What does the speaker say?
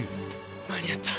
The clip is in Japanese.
間に合った。